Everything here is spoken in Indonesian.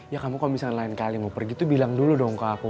ya kamu kalau misalnya lain kali mau pergi tuh bilang dulu dong ke aku